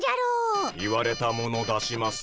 言われたもの出します。